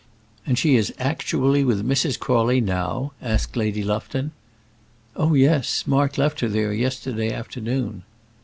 "And she is actually with Mrs. Crawley now?" asked Lady Lufton. "Oh, yes; Mark left her there yesterday afternoon."